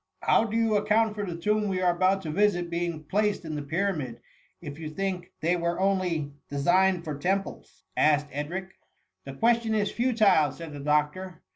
^^^ How do you account for the tomb we are about to visit being placed in the Pyramid, if TH£ MUMMY. SOT you think they were only designed for tem ples ?^ asked Edric. The question is futile,^ said the doctor.